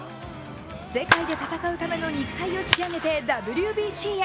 世界で戦うための肉体を仕上げてＷＢＣへ。